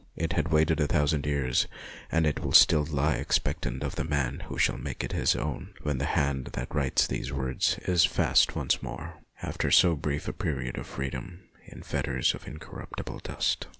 It had waited a thousand years, and it will still lie expectant of the man who shall make it his own when the hand that writes these words is fast once more, after so brief a period of freedom, in fetters of incorruptible dust.